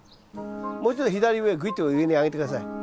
もうちょっと左上へぐいっと上に上げて下さい。